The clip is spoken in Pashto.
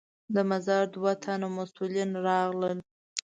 د مزار دوه تنه مسوولین راغلل.